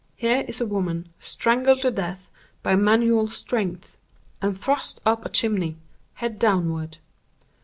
Here is a woman strangled to death by manual strength, and thrust up a chimney, head downward.